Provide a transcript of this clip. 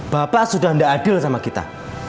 bapak sudah tidak adil sama kita